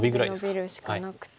ノビるしかなくて。